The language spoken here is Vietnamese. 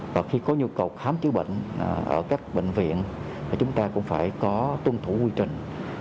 và khi có nhu cầu khám chữa bệnh ở các bệnh viện thì chúng ta cũng phải có tuân thủ quy trình